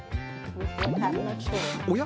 おや？